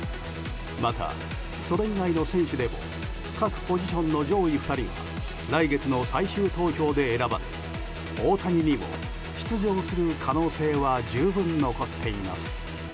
また、それ以外の選手でも各ポジションの上位２人が来月の最終投票で選ばれ大谷にも出場する可能性は十分残っています。